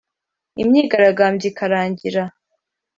Imyigaragambyo ikirangira